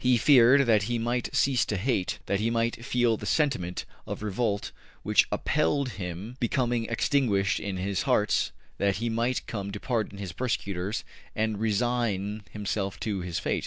He feared that he might cease to hate, that he might feel the sentiment of revolt which upheld him becoming extinguished in his hearts that he might come to pardon his persecutors and resign himself to his fate.